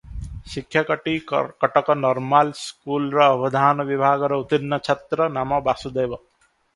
ଶିକ୍ଷକଟି Cuttack normal ସ୍କୁଲର ଅବଧାନ ବିଭାଗର ଉତ୍ତୀର୍ଣ୍ଣ ଛାତ୍ର, ନାମ ବାସୁଦେବ ।